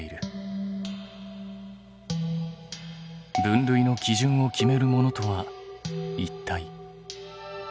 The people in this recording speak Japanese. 分類の基準を決めるものとはいったい。